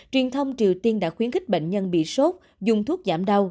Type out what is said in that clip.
truyền thông triều tiên đã khuyến khích bệnh nhân bị sốt dùng thuốc giảm đau